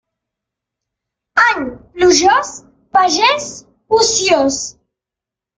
Any plujós, pagès ociós.